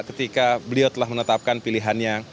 ketika beliau telah menetapkan pilihannya